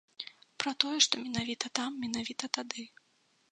Пра тое, што менавіта там, менавіта тады.